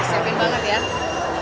disiapin banget ya